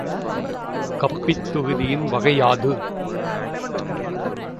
கப்பித் தொகுதியின் வகை யாது?